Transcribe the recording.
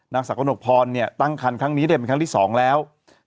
นังสักปนกฟรย์คลั้งนี้ได้ขึ้นเป็นครั้งที่๒แล้ว